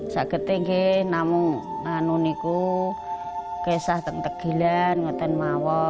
semarang saya membuatkan kaya